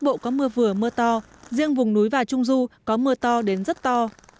bộ có mưa vừa mưa to riêng vùng núi và trung du có mưa to đến rất to